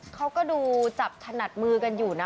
เขาก็ดูจับถนัดมือกันอยู่นะ